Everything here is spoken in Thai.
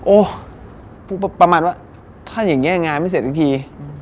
ประมาณว่าถ้าอย่างนี้งานไม่เสร็จสักที